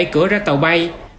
hai mươi bảy cửa ra tàu bay